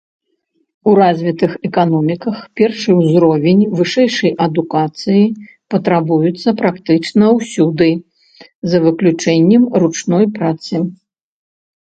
У развітых эканоміках першы ўзровень вышэйшай адукацыі патрабуецца практычна ўсюды за выключэннем ручной працы.